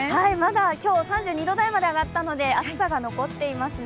今日３２度台まで上がったので、暑さが残っていますね。